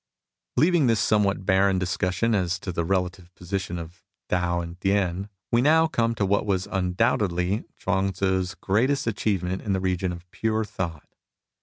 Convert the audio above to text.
Leaving this somewhat barren discussion as to the relative position of Tao and Tien, we now come to what was undoubtedly Chuang Tzu's greatest achievement in the region of pure thought.